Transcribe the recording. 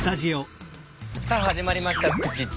さあ始まりました「フクチッチ」。